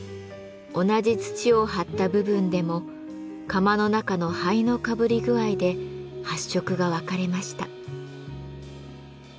同じ土を貼った部分でも窯の中の灰のかぶり具合で発色が分かれました。